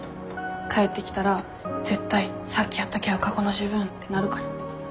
帰ってきたら絶対さっきやっとけよ過去の自分ってなるから。